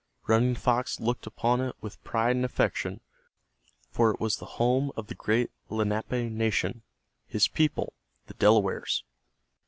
Running Fox looked upon it with pride and affection, for it was the home of the great Lenape nation, his people, the Delawares.